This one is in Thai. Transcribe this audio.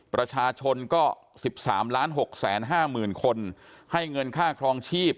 ประชาชนก็๑๓๖๕๐๐๐คนให้เงินค่าครองชีพ